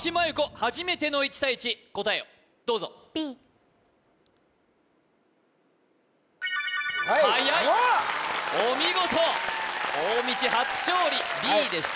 初めての１対１答えをどうぞはやいお見事大道初勝利ｂｅｅでした